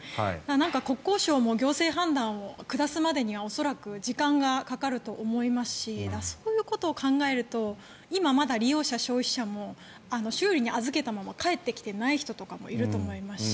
国交省も行政判断を下すまでには恐らく、時間がかかると思いますしそういうことを考えると今まだ、利用者、消費者も修理に預けたまま返ってきていない人とかもいると思いますし